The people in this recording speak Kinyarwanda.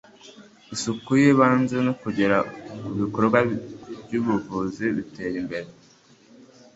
isuku y'ibanze no kugera ku bikorwa by'ubuvuzi bitera imbere.